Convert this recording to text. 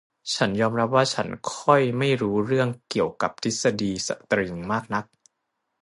ฉันยอมรับว่าฉันค่อยไม่รู้เรื่องเกี่ยวกับทฤษฎีสตริงมากนัก